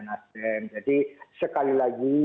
nasden jadi sekali lagi